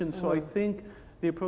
jadi saya pikir